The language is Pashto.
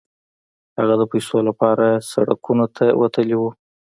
هغه د پيسو لپاره سړکونو ته وتلی و.